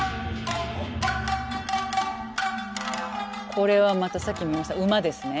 これはまたさっき見ました馬ですね。